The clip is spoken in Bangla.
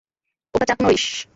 ওটা চাক নরিস।